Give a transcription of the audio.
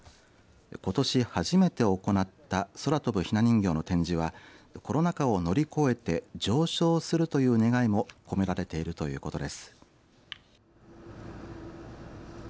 ことし、初めて行った空飛ぶひな人形の展示はコロナ禍を乗り越えて上昇するという願いも込められているということです。